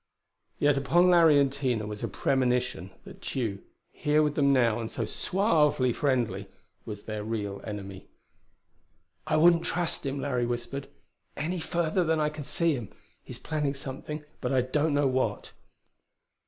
Yet upon Larry and Tina was a premonition that Tugh, here with them now and so suavely friendly, was their real enemy. "I wouldn't trust him," Larry whispered, "any further than I can see him. He's planning something, but I don't know what."